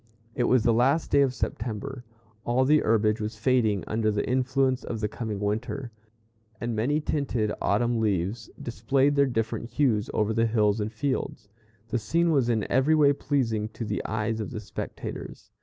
It was the last day of September. All the herbage was fading under the influence of the coming winter, and many tinted autumn leaves displayed their different hues over the hills and fields. The scene was in every way pleasing to the eyes of the spectators.